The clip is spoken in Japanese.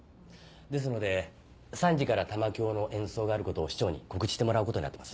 ですので３時から玉響の演奏があることを市長に告知してもらうことになってます。